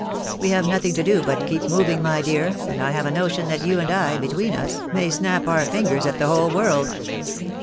We have nothing to do but keep moving, my dear, and I have a notion that you and I, between us, may snap our fingers at the whole world."